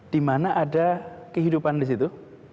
dimana ada kehidupan di situ